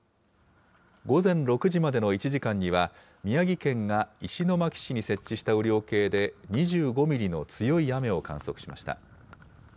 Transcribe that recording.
午前６時までの１時間には、宮城県が石巻市に設置した雨量計で２５ミリの強い雨を観測しました。